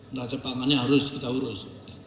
neraca pangannya harus kita urus